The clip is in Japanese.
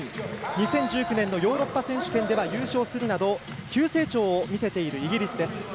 ２０１９年のヨーロッパ選手権では優勝するなど急成長を見せているイギリスです。